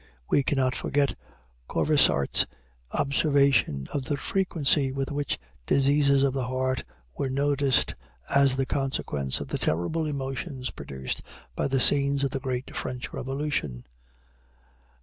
We cannot forget Corvisart's observation of the frequency with which diseases of the heart were noticed as the consequence of the terrible emotions produced by the scenes of the great French Revolution.